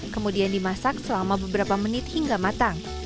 kemudian dimasak selama beberapa menit hingga matang